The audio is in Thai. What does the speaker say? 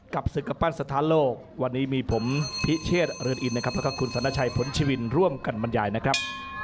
กับศึกกำปั้นสถานโลกวันนี้มีผมพิเชษเรือนอินนะครับแล้วก็คุณสนชัยผลชีวินร่วมกันบรรยายนะครับ